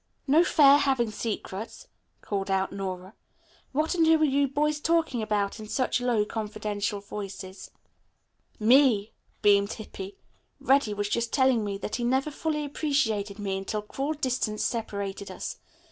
"No fair having secrets," called out Nora. "What and who are you boys talking about in such low, confidential voices?" "Me," beamed Hippy. "Reddy was just telling me that he never fully appreciated me until cruel distance separated us.